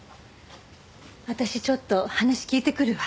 私ちょっと話聞いてくるわ。